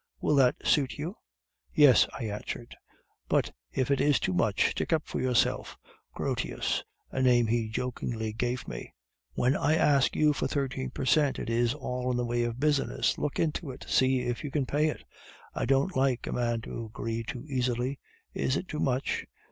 Will that suit you?' "'Yes,' I answered. "'But if it is too much, stick up for yourself, Grotius!' (a name he jokingly gave me). 'When I ask you for thirteen per cent, it is all in the way of business; look into it, see if you can pay it; I don't like a man to agree too easily. Is it too much?